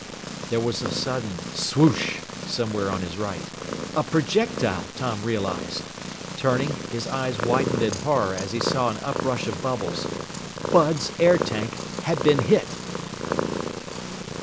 There was a sudden swoosh somewhere on his right. A projectile, Tom realized! Turning, his eyes widened in horror as he saw an uprush of bubbles. Bud's air tank had been hit!